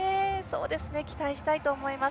期待したいと思います。